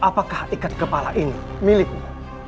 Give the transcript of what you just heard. apakah ikat kepala ini milikmu